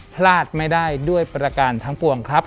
พลาดไม่ได้ด้วยประการทั้งปวงครับ